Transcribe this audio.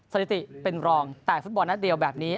สถิติเป็นรองแต่ฟุตบอลนัดเดียวแบบนี้